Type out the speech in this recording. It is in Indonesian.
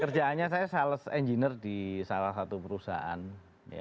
kerjaannya saya sales engineer di salah satu perusahaan ya